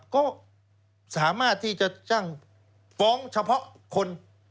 ก็สามารถที่จะจ้างฟ้องเฉพาะคน